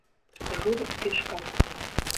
Жулик тӱшка!